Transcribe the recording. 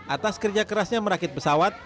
atas kerja kerasnya merakit pesawat